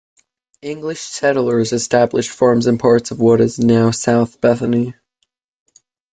English settlers established farms in parts of what is now South Bethany.